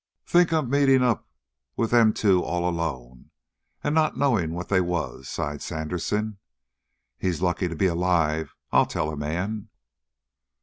"Think of meeting up with them two all alone and not knowing what they was!" sighed Sandersen. "He's lucky to be alive, I'll tell a man."